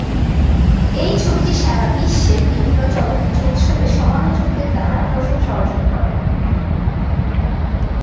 এই ছবিটি সারা বিশ্বের বিভিন্ন চলচ্চিত্র উৎসবে সমালোচকদের দ্বারা প্রশংসা অর্জন করে।